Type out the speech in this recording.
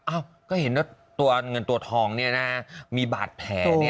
ก็เห็นว่าตัวเงินตัวทองเนี่ยนะมีบาดแผล